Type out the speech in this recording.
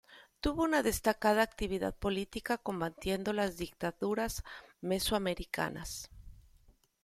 Tuvo una destacada actividad política combatiendo las dictaduras mesoamericanas.